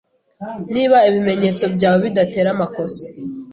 Niba ibimenyetso byawe bidatera amakosa